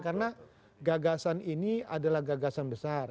karena gagasan ini adalah gagasan besar